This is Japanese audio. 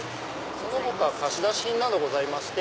その他貸し出し品などございまして。